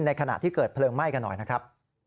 ขณะที่เกิดเพลิงไหม้กันหน่อยนะครับ